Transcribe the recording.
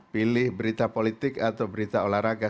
pilih berita politik atau berita olahraga